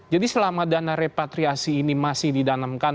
jadi selama dana repatriasi ini masih didanamkan